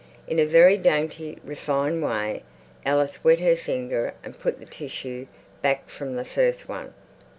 In a very dainty, refined way Alice wet her finger and put the tissue back from the first one.